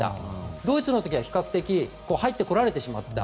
ドイツの時は比較的入ってこられてしまった。